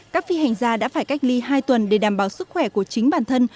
các phi hành gia đã phải cách ly hai tuần để đảm bảo sức khỏe của chính bản thân